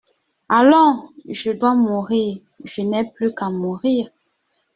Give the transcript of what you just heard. Allons, je dois mourir, je n'ai plus qu'à mourir.